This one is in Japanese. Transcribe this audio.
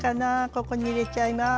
ここに入れちゃいます。